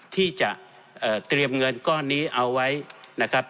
ที่จะเตรียมเงินก้อนนี้เอาไว้นะครับ